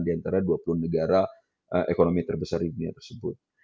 di antara dua puluh negara ekonomi terbesar di dunia tersebut